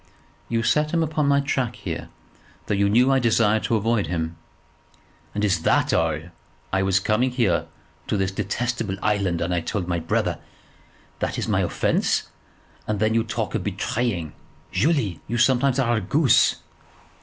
"You set him upon my track here, though you knew I desired to avoid him." "And is that all? I was coming here to this detestable island, and I told my brother. That is my offence, and then you talk of betraying! Julie, you sometimes are a goose."